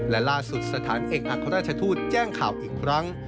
และล่าสุดสถานเอกอัครราชทูตแจ้งข่าวอีกครั้ง